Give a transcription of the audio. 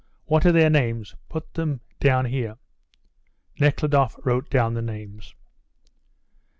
What are their names? Put them down here." Nekhludoff wrote down the names.